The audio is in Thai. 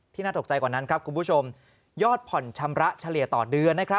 น่าตกใจกว่านั้นครับคุณผู้ชมยอดผ่อนชำระเฉลี่ยต่อเดือน